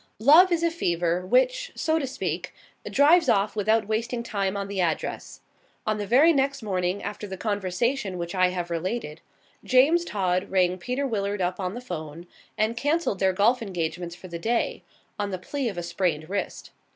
Love is a fever which, so to speak, drives off without wasting time on the address. On the very next morning after the conversation which I have related, James Todd rang Peter Willard up on the 'phone and cancelled their golf engagements for the day, on the plea of a sprained wrist.